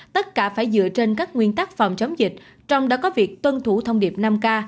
tất cả phải dựa trên các nguyên tắc phòng chống dịch trong đó có việc tuân thủ thông điệp năm k